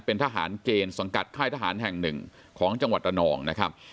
เป็นทหารเกณฑ์สังกัดค่ายทหารแห่งหนึ่งของจังหวัดระนองนะครับ